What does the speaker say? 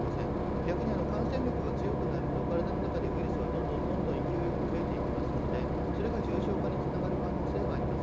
逆に感染力が強くなると体の中でウイルスはどんどん勢いよく増えていきますのでそれが重症化につながる可能性はあります。